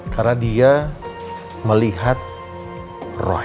karena dia melihat roy